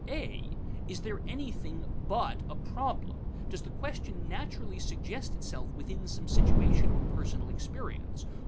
(a) Is there anything but a problem? Does the question naturally suggest itself within some situation or personal experience?